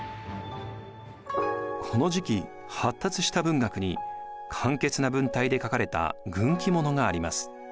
この時期発達した文学に簡潔な文体で書かれた軍記物があります。